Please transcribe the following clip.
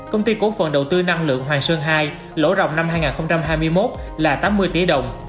công ty cổ phần đầu tư năng lượng hoàng sơn ii lỗ rộng năm hai nghìn hai mươi một là tám mươi tỷ đồng